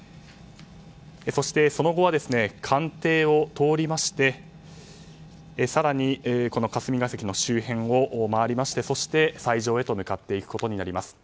そして、その後は官邸を通りまして更に霞が関の周辺を回りましてそして、斎場へと向かっていくことになります。